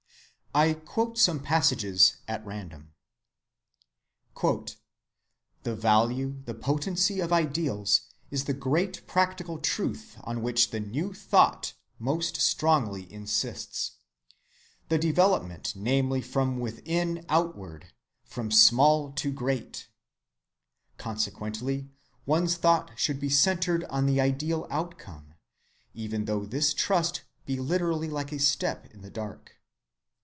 I quote some passages at random:— "The value, the potency of ideals is the great practical truth on which the New Thought most strongly insists,—the development namely from within outward, from small to great.(57) Consequently one's thought should be centred on the ideal outcome, even though this trust be literally like a step in the dark.